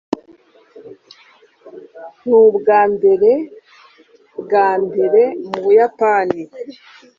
nubwambere bwambere mubuyapani